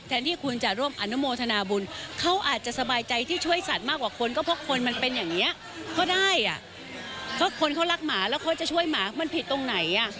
ถ้าเธอจะช่วยหมามันผิดตรงไหน